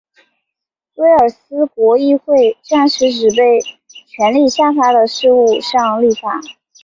威尔斯国民议会暂时只在被权力下放的事务上立法。